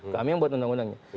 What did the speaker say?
kami yang buat undang undangnya